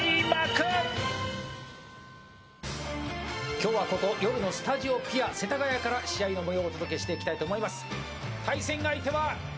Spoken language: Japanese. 今日はここ夜のスタジオぴあ世田谷から試合の模様をお届けしていきたいと思います。